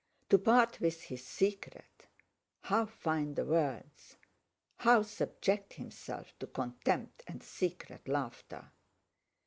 To part with his secret? How find the words? How subject himself to contempt and secret laughter?